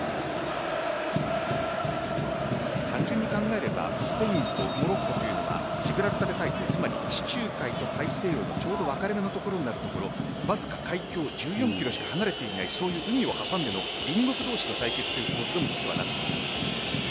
単純に考えればスペインとモロッコというのはジブラルタル海峡地中海と大西洋の分かれ目のところわずか海峡１４ｋｍしか離れていない海を挟んでの隣国同士の対決という構図にもなっています。